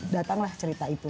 datanglah cerita itu